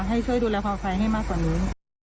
ให้ช่วยดูแลความปลอดภัยให้มากกว่านี้